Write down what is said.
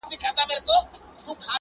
شمع هر څه ویني راز په زړه لري.!